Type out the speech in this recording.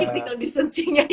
di single distancing nya ya